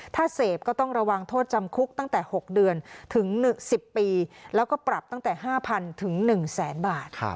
ถ้าเสพก็ต้องระวังโทษจำคุกตั้งแต่๖เดือนถึง๑๐ปีแล้วก็ปรับตั้งแต่๕๐๐ถึง๑แสนบาท